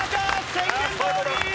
宣言どおり！